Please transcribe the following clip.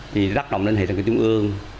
thì rắc động lên hệ thống trung ương